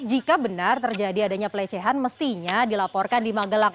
jika benar terjadi adanya pelecehan mestinya dilaporkan di magelang